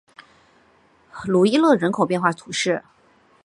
鲁伊勒人口变化图示